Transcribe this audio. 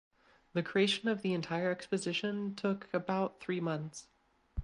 The creation of the entire exposition took about three months.